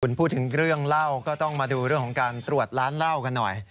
คุณพูดถึงเรื่องเล่าก็ต้องมาดูเรื่องของการตรวจร้านเหล้ากันหน่อย